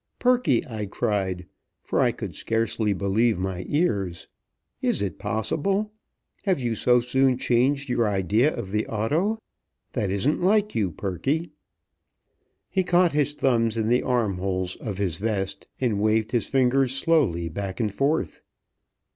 "Perky!" I cried, for I could scarcely believe my ears. "Is it possible? Have you so soon changed your idea of the auto? That isn't like you, Perky!" He caught his thumbs in the armholes of his vest, and waved his fingers slowly back and forth.